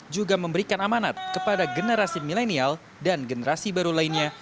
juga memberikan amanat kepada generasi milenial dan generasi baru lainnya